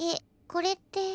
これって。